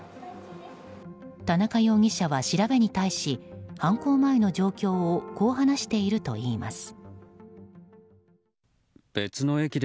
田中容疑者は調べに対し犯行前の状況をこう話しているといいます。